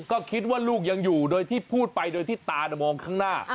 ก็คิดว่าลูกยังอยู่โดยที่พูดไปโดยที่ตามองข้างหน้า